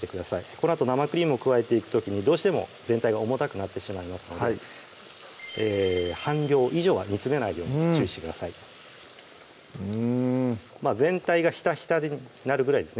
このあと生クリームを加えていく時にどうしても全体が重たくなってしまいますので半量以上は煮つめないように注意してください全体がひたひたになるぐらいですね